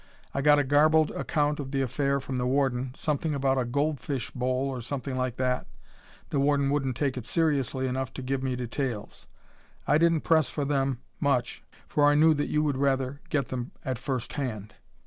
I got a garbled account of the affair from the warden, something about a goldfish bowl or something like that, the warden wouldn't take it seriously enough to give me details. I didn't press for them much for I knew that you would rather get them at first hand."